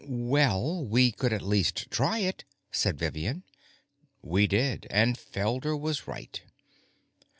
"Well, we could at least try it," said Vivian. We did, and Felder was right.